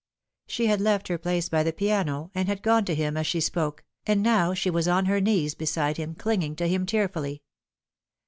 She had left her place by the piano, and had gone to him aa fshe spoke, and now ehe was on her knees beside him, clinging to him tearfully.